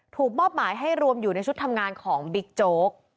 มอบหมายให้รวมอยู่ในชุดทำงานของบิ๊กโจ๊ก